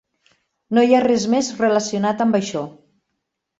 No hi ha res més relacionat amb això.